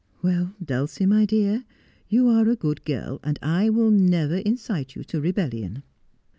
Well, Dulcie, my dear, you are a good girl, and I vill never incite you to rebellion.'